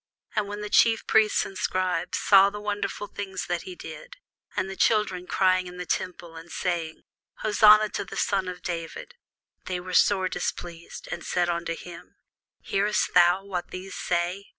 And when the chief priests and scribes saw the wonderful things that he did, and the children crying in the temple, and saying, Hosanna to the son of David; they were sore displeased, and said unto him, Hearest thou what these say?